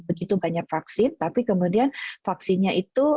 begitu banyak vaksin tapi kemudian vaksinnya itu